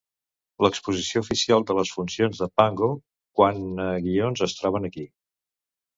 L'exposició oficial de les funcions de Pango quant a guions es troben aquí.